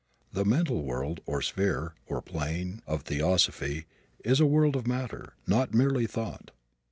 The mental world, or sphere, or plane, of theosophy, is a world of matter, not merely thought.